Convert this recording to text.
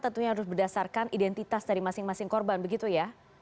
tentunya harus berdasarkan identitas dari masing masing korban begitu ya